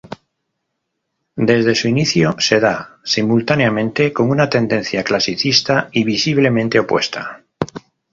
Desde su inicio se da simultáneamente con una tendencia clasicista visiblemente opuesta.